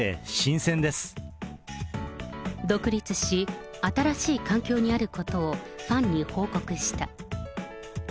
独立し、新しい環境にあることをファンに報告した。